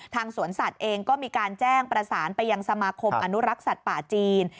สวนสัตว์เองก็มีการแจ้งประสานไปยังสมาคมอนุรักษ์สัตว์ป่าจีน